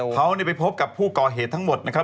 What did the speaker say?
เขาไปพบกับผู้ก่อเหตุทั้งหมดนะครับ